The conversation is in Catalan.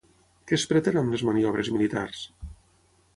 Què es pretén amb les maniobres militars?